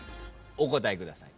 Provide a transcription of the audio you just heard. お答えください。